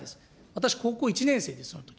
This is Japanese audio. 私、高校１年生です、そのとき。